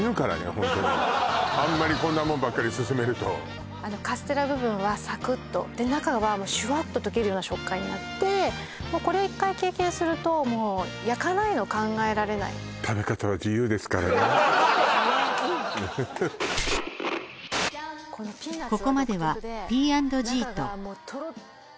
ホントにあんまりこんなもんばっかり勧めるとカステラ部分はサクッと中はシュワッと溶けるような食感になってもうこれを一回経験するともう磧孱味腺唯庁腺咤函。